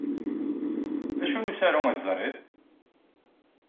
D acu n usaru ay teẓriḍ?